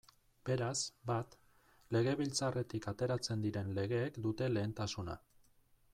Beraz, bat, Legebiltzarretik ateratzen diren legeek dute lehentasuna.